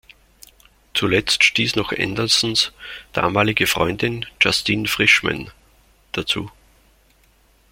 Zuletzt stieß noch Andersons damalige Freundin, Justine Frischmann, dazu.